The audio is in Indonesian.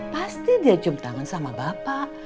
pasti dia cium tangan sama bapak